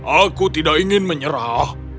aku tidak ingin menyerah